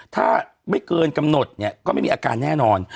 ถ้าไม่เกินกำหนดเนี่ยก็ไม่มีอาการแน่นอน